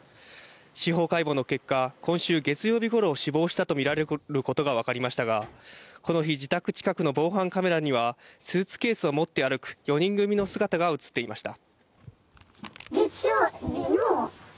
司法解剖の結果、今週月曜日ごろに死亡したとみられることがわかりましたが、この日、自宅近くの防犯カメラにはスーツケースを持って歩く４人組の姿が映っていました。